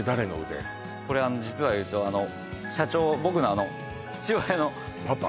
これ実は言うと社長僕のあの父親のパパ？